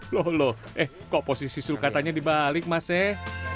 loh loh eh kok posisi sulkatanya dibalik mas eh